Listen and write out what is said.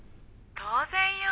当然よ。